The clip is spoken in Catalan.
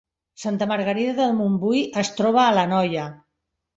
Santa Margarida de Montbui es troba a l’Anoia